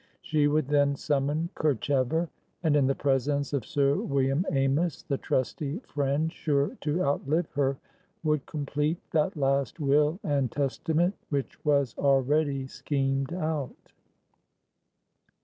She would then summon Kerchever, and in the presence of Sir William Amys, the trusty friend sure to outlive her, would complete that last will and testament which was already schemed out.